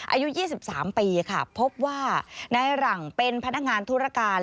อายุ๒๓ปีค่ะพบว่านายหลังเป็นพนักงานธุรการ